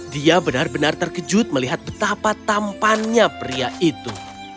dia benar benar terkejut melihat betapa tampannya pria itu